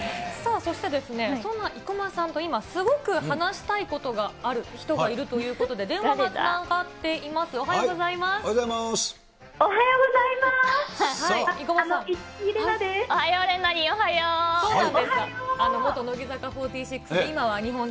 そしてですね、そんな生駒さんと今、すごく話したいことがある人がいるということで、電話がつながっています。